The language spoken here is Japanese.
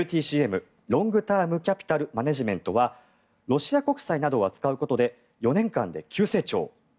ＬＴＣＭロングターム・キャピタル・マネジメントはロシア国債などを扱うことで４年間で急成長。